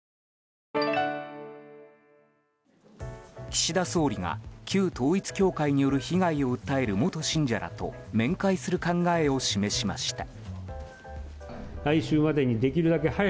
岸田総理が旧統一教会による被害を訴える元信者らと面会する考えを示しました。